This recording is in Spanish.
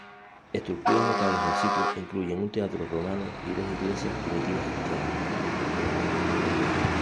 Estructuras notables del sitio incluyen un teatro romano y dos iglesias primitivas cristianas.